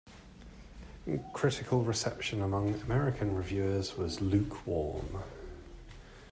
Critical reception among American reviewers was lukewarm.